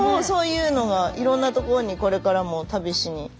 そういうのがいろんな所にこれからも旅しに。